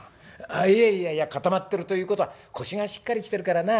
いやいやいや固まってるということは腰がしっかりしてるからな。